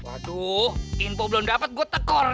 waduh info belum dapat gue tekor